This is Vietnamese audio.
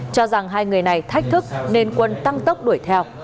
cho rằng hai người này thách thức nên quân tăng tốc đuổi theo